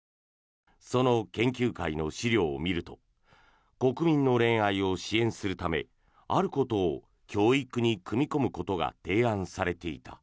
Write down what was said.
その研究会の資料を見ると国民の恋愛を支援するためあることを教育に組み込むことが提案されていた。